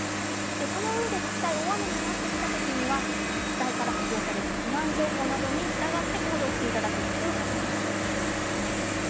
そのうえで実際大雨になってきた時には自治体から発表される避難情報などに従って行動していただくことになってきます。